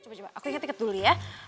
coba coba aku inget inget dulu ya